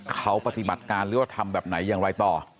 เขาปฏิบัติการหรือว่าทำแบบไหนอย่างไรต่อ